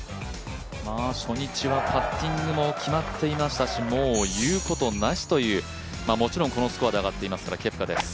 初日はパッティングも決まってましたしもう言うことなしという、もちろんこのスコアで上がっていますから。